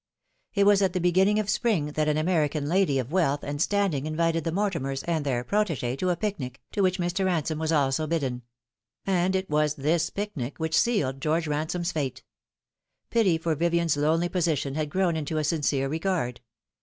It was at the beginning of spring that an American lady of wealth and standing invited the Mortimers and their protegee to a picnic, to which Mr. Ransome was also bidden ; and it was 264 The Fatal Three. this picnic which sealed George Ransome's fate. Pity for Vivien's lonely position had grown into a sincere regard.